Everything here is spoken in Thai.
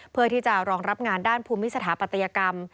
เพื่อที่จะรองรับงานด้านภูมิสถาปัตยกรรม